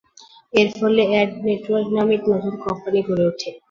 এর ফলে ad network নামে একটি নতুন কোম্পানি গড়ে ওঠে।